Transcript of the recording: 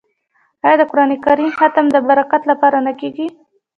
آیا د قران کریم ختم د برکت لپاره نه کیږي؟